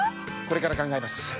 これからかんがえます。